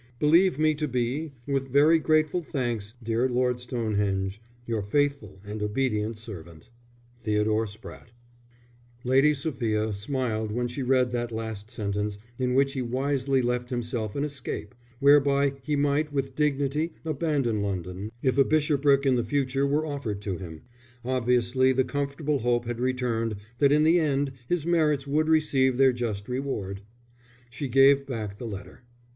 _ Believe me to be, with very grateful thanks, dear Lord Stonehenge, Your faithful and obedient servant, THEODORE SPRATTE Lady Sophia smiled when she read that last sentence in which he wisely left himself an escape, whereby he might with dignity abandon London, if a bishopric in the future were offered to him. Obviously the comfortable hope had returned that in the end his merits would receive their just reward. She gave back the letter.